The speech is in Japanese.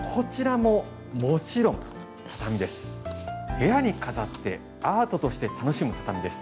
部屋に飾ってアートとして楽しむ畳です。